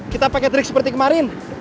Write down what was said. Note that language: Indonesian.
kita pakai trik seperti kemarin